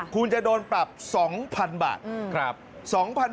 คุณจะโดนปรับ๒๐๐๐บาท